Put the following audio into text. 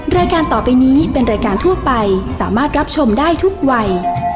รายการต่อไปนี้เป็นรายการทั่วไปสามารถรับชมได้ทุกวัย